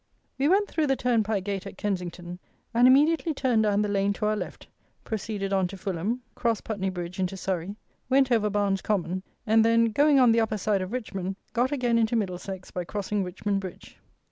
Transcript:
We went through the turnpike gate at Kensington, and immediately turned down the lane to our left, proceeded on to Fulham, crossed Putney bridge into Surrey, went over Barnes Common, and then, going on the upper side of Richmond, got again into Middlesex by crossing Richmond bridge.